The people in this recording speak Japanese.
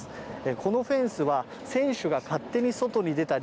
このフェンスは選手が勝手に外に出たり